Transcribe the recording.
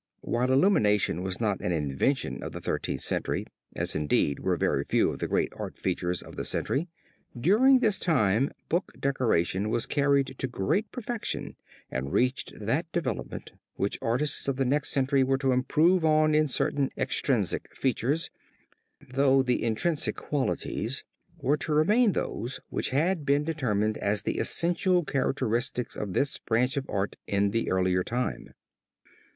While illumination was not an invention of the Thirteenth Century, as indeed were very few of the great art features of the century, during this time book decoration was carried to great perfection and reached that development which artists of the next century were to improve on in certain extrinsic features, though the intrinsic qualities were to remain those which had been determined as the essential characteristics of this branch of art in the earlier time.